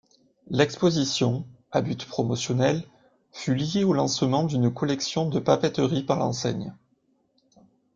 L’exposition, à but promotionnel, fut liée au lancement d’une collection de papeterie par l'enseigne.